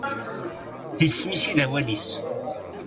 D isem-is i d awal-is.